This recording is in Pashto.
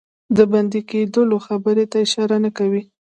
د بندي کېدلو خبري ته اشاره نه کوي.